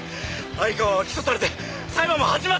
相川は起訴されて裁判も始まってんだろ！？